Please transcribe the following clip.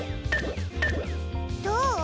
どう？